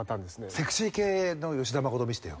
セクシー系の吉田誠見せてよ。